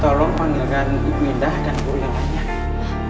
tolong panggilkan ibu indah dan guru yang lainnya